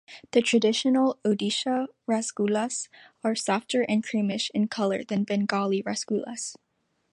The traditional Odisha rasgullas are softer and creamish in colour than Bengali rasgullas.